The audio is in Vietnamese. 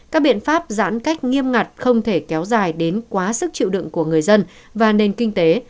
các biện pháp giãn cách nghiêm ngặt không thể kéo dài đến quá sức chịu đựng của người dân và nền kinh tế